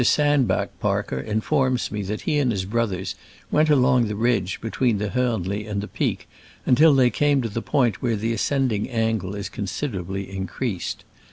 Sandbach Park er informs me that he and his brothers went along the ridge between the Horn li and the peak until they came to the point where the ascending angle is considerably increased.